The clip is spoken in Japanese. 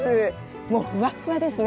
もうふわっふわですね。